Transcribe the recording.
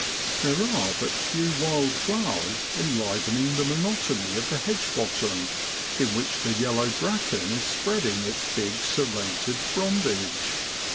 There are but few wild flowers enlivening the monotony of the hedge bottom, in which the yellow bracken is spreading its big serrated frondage.